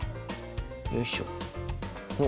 よいしょ。